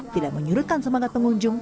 tidak menyurutkan semangat pengunjung